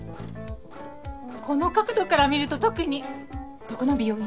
この角度から見ると特にどこの美容院？